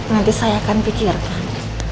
nanti saya akan pikirkan